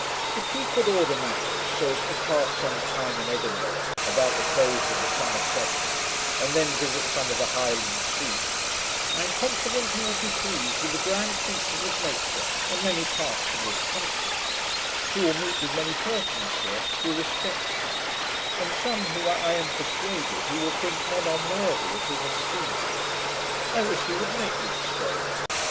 If he could order matters so, as to pass some time in Edinburgh, about the close of the summer session, and then visit some of the Highland scenes, I am confident he would be pleased with the grand features of nature in many parts of this country: he will meet with many persons here who respect him, and some whom I am persuaded he will think not unworthy of his esteem. I wish he would make the experiment.